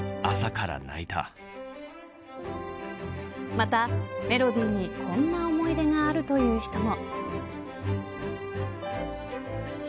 また、メロディーにこんな思い出があるという人も。